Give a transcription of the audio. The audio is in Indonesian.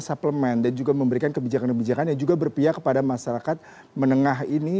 suplemen dan juga memberikan kebijakan kebijakan yang juga berpihak kepada masyarakat menengah ini